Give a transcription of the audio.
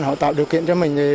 họ tạo điều kiện cho mình